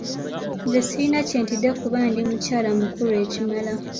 Nze sirina kye ntidde kuba ndi mukyala mukulu ekimala.